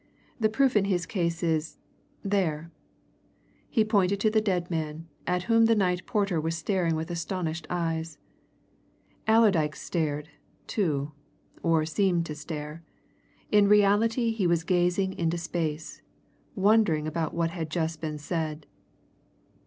The proof in his case is there!" He pointed to the dead man, at whom the night porter was staring with astonished eyes. Allerdyke stared, too, or seemed to stare. In reality, he was gazing into space, wondering about what had just been said.